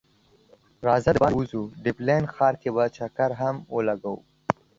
راځه د باندی وځو ډبلین ښار کی به چکر هم ولګو